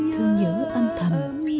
thương nhớ âm thầm